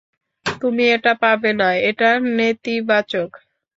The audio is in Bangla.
তুমি এটা পাবে না, এটা নেতিবাচক।